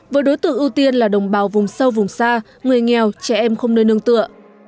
với đối tượng ưu tiên là đồng bào vùng sâu vùng xa người nghèo trẻ em không nơi nương tựa